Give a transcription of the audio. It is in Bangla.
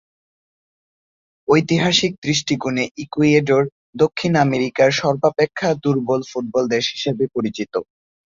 ঐতিহাসিক দৃষ্টিকোণে ইকুয়েডর দক্ষিণ আমেরিকার সর্বাপেক্ষা দুর্বল ফুটবল দেশ হিসেবে পরিচিত।